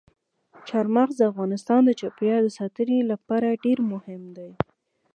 چار مغز د افغانستان د چاپیریال ساتنې لپاره ډېر مهم دي.